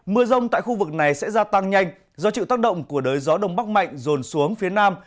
mưa rông tại khu vực này sẽ gia tăng nhanh do chịu tác động của đới gió đông bắc mạnh rồn xuống phía nam